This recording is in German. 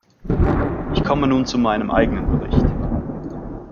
Ich komme nun zu meinem eigenen Bericht.